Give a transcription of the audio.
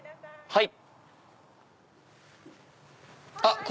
はい。